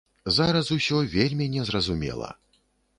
Зараз усё вельмі незразумела.